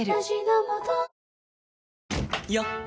よっ！